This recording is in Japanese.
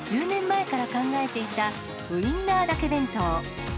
１０年前から考えていたウインナーだけ弁当。